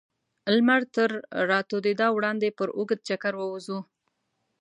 لمر تر راتودېدا وړاندې پر اوږد چکر ووځو.